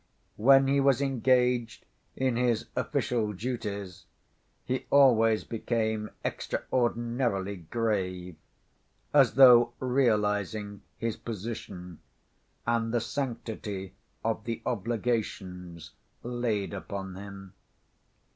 When he was engaged in his official duties, he always became extraordinarily grave, as though realizing his position and the sanctity of the obligations laid upon him.